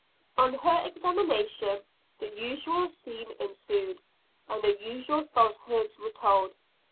On her examination the usual scene ensued, and the usual falsehoods were told.